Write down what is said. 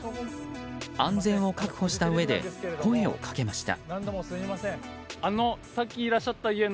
安全を確保したうえで声をかけました。